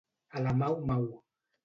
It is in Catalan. A la mau-mau.